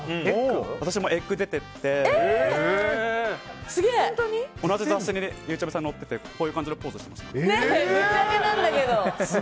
私も「ｅｇｇ」出てて同じ雑誌にゆうちゃみさん載っててこういう感じのポーズしてました。